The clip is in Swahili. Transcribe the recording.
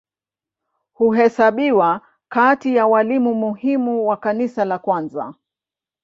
Huhesabiwa kati ya walimu muhimu wa Kanisa la kwanza.